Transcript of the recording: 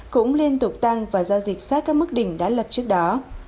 cũng liên tục tăng và giao dịch sát các mức đỉnh đã lập trước đó